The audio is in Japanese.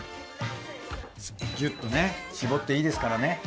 ギュッとね絞っていいですからね。